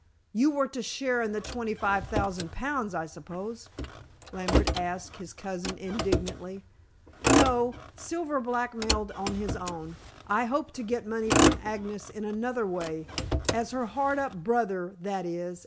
"You were to share in the twenty five thousand pounds, I suppose?" Lambert asked his cousin indignantly. "No; Silver blackmailed on his own. I hoped to get money from Agnes in another way as her hard up brother that is.